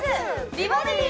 美バディ」